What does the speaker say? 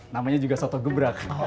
namanya juga soto gebrakan